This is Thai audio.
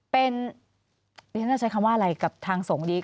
เป็นดิฉันจะใช้คำว่าอะไรกับทางสงฆ์ดี